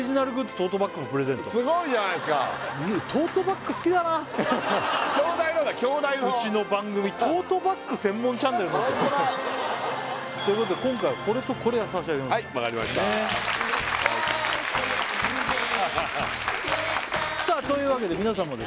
トートバッグもプレゼントすごいじゃないっすか京大のだ京大のホントだということで今回はこれとこれを差し上げますはいわかりましたさあというわけで皆さんもですね